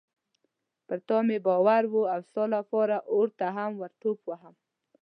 پر تا مې باور و او ستا لپاره اور ته هم ورټوپ وهم.